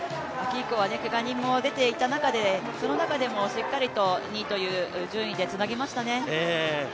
けが人も出ていた中で、その中でもしっかりと２位という順位でつなぎましたね。